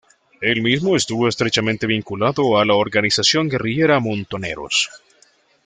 El mismo estuvo estrechamente vinculado a la organización guerrillera Montoneros.